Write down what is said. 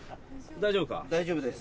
大丈夫です。